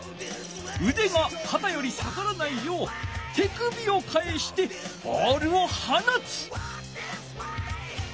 うでがかたより下がらないよう手首をかえしてボールをはなつ。